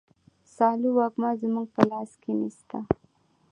سالو وږمه زموږ په لاس کي نسته.